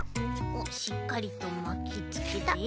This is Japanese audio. おっしっかりとまきつけた。